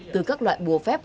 từ các loại bùa phép